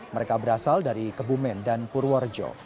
mereka berasal dari kebumen dan purworejo